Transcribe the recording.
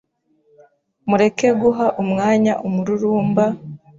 mureke guha umwanya umururumba,